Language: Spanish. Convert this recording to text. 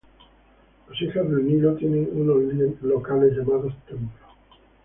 Las Hijas del Nilo tienen unos locales llamados templos.